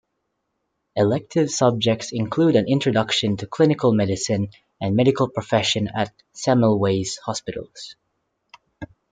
Elective subjects include an introduction to clinical medicine and medical profession at Semmelweis Hospitals.